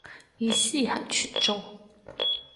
意思係全中